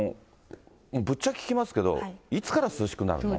ぶっちゃけ聞きますけど、いつから涼しくなるの？